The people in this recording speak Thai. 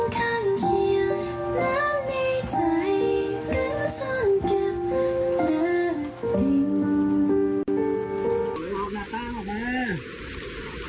คุณผู้ชมไปดูภาพกันก่อนเลยค่ะ